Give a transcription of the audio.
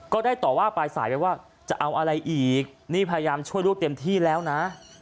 ก็ได้ต่อว่าปลายสายไปว่าจะเอาอะไรอีกนี่พยายามช่วยลูกเต็มที่แล้วนะ